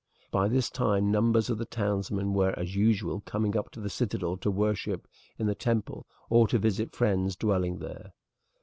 By this time numbers of the townsmen were as usual coming up to the citadel to worship in the temple or to visit friends dwelling there.